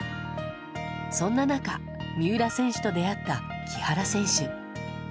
そんな中、三浦選手と出会った木原選手。